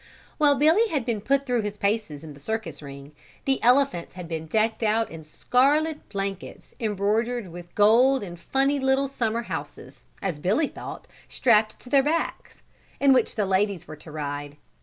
While Billy had been put through his paces in the circus ring, the elephants had been decked out in scarlet blankets embroidered with gold and funny little summer houses, as Billy thought, strapped to their backs, in which ladies were to ride.